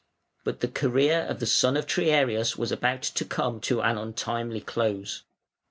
But the career of the son of Triarius was about to come to an untimely close.